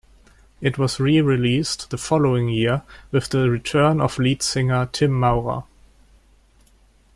It was re-released the following year with the return of lead singer Tim Maurer.